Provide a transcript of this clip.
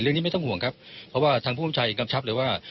เรื่องนี้ไม่ต้องห่วงครับเพราะว่าทางผู้คุ้มชายอิงคำชับเลยว่า